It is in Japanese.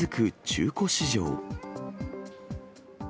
中古市場。